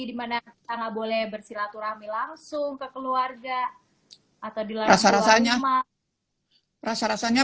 dimana tak boleh bersilaturahmi langsung ke keluarga atau diluar rasanya rasa rasanya